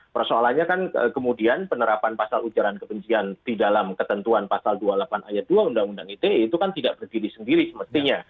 persoalannya kan kemudian penerapan pasal ujaran kebencian di dalam ketentuan pasal dua puluh delapan ayat dua undang undang ite itu kan tidak berdiri sendiri semestinya